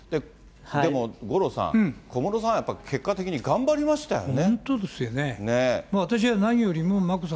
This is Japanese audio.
でも五郎さん、小室さんはやっぱり結果的に頑張りましたよね。